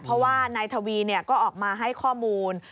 เพราะว่านายทวีก็ออกมาให้ข้อมูล